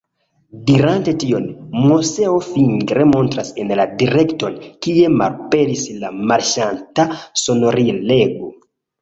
Dirante tion, Moseo fingre montras en la direkton, kie malaperis la marŝanta sonorilego.